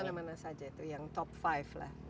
di mana mana saja tuh yang top five lah